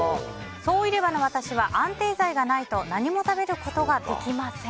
総入れ歯の私は安定剤がないと何も食べることができません。